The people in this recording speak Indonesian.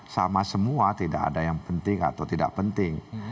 sama semua tidak ada yang penting atau tidak penting